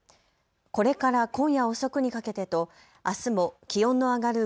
これから今夜遅くにかけてとあすも気温の上がる